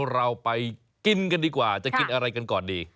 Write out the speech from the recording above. เราไปกินกันดีกว่าจะกินอะไรกันก่อนดี